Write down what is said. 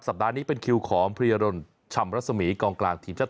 สัปดาห์นี้เป็นคิวของพรียะดนช่ำรสมีกองกลางทีชัดไทย